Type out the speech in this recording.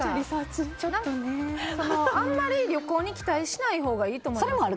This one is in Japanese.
あんまり旅行に期待しないほうがいいと思います。